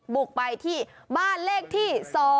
บุกไปที่บ้านเลขที่๒